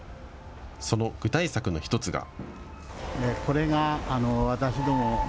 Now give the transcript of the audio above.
その具体策の１つが。